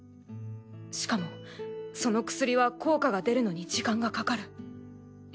しかもその薬は効果が出るのに時間がかかる。